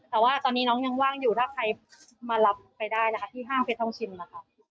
แต่ว่าตอนนี้น้องยังว่างอยู่ถ้าใครมารับไปได้นะคะที่ห้างเพชรทองชิมนะคะ